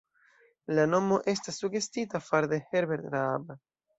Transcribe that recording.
La nomo estas sugestita far'de Herbert Raab.